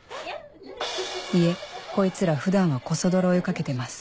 いえこいつら普段はコソ泥追い掛けてます